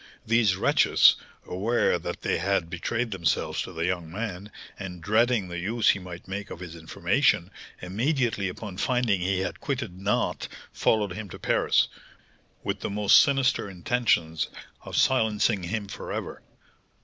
"These wretches, aware that they had betrayed themselves to the young man, and dreading the use he might make of his information, immediately upon finding he had quitted Nantes followed him to Paris, with the most sinister intentions of silencing him for ever.